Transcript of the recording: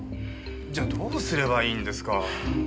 じゃどうすればいいんですか。